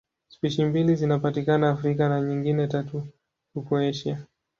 Spishi mbili zinapatikana Afrika na nyingine tatu huko Asia.